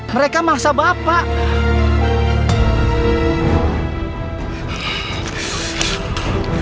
mereka mangsa bapak